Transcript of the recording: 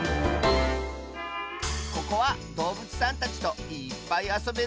ここはどうぶつさんたちといっぱいあそべるぼくじょうだよ。